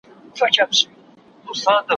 زه اوس د سبا لپاره د ليکلو تمرين کوم!!